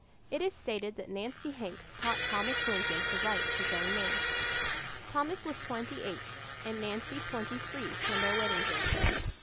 It is stated that Nancy Hanks taught Thomas Lincoln to write his own name. Thomas was twenty eight and Nancy twenty three when their wedding day came.